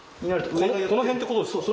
このへんってことですか？